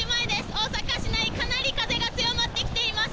大阪市内、かなり風が強まってきています。